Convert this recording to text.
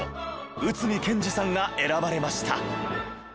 内海賢二さんが選ばれました。